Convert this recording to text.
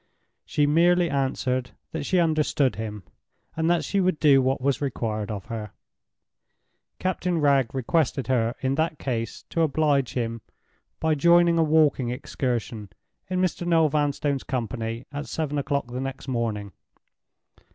She merely answered that she understood him, and that she would do what was required of her. Captain Wragge requested her in that case to oblige him by joining a walking excursion in Mr. Noel Vanstone's company at seven o'clock the next morning.